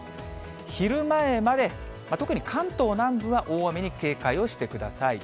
昼前まで、特に関東南部は大雨に警戒をしてください。